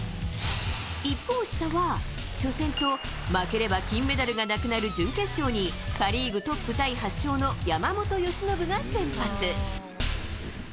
一方、下は初戦と、負ければ金メダルがなくなる準決勝にパ・リーグトップタイ８勝の山本由伸が先発。